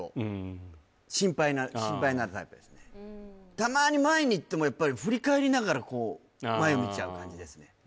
たまに前に行ってもやっぱり振り返りながらこう前見ちゃう感じですね